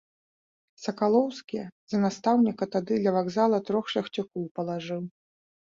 Сакалоўскі за настаўніка тады ля вакзала трох шляхцюкоў палажыў.